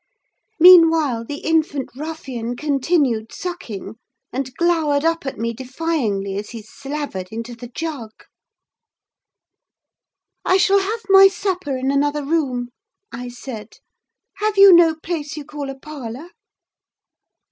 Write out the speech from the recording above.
Meanwhile, the infant ruffian continued sucking; and glowered up at me defyingly, as he slavered into the jug. "I shall have my supper in another room," I said. "Have you no place you call a parlour?"